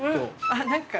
あっ何か。